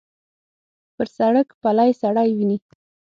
پر سړک پلی سړی وینې.